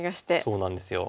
そうなんですよ。